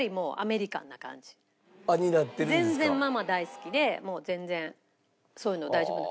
だけど全然ママ大好きでもう全然そういうの大丈夫。